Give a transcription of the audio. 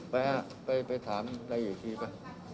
ไปอ่ะไปไปถามอะไรอีกทีป่ะ